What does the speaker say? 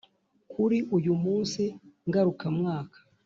Kuri uyu munsi ngarukamwaka